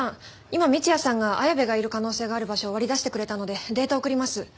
今三ツ矢さんが綾部がいる可能性がある場所を割り出してくれたのでデータを送ります。